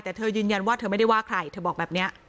แต่เธอยืนยันว่าเธอไม่ได้ว่าใครเธอบอกแบบนี้